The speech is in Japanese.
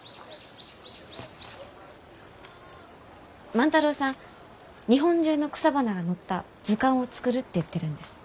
万太郎さん日本中の草花が載った図鑑を作るって言ってるんです。